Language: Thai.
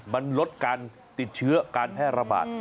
มันลดการติดเชื้อการแพร่ระบาด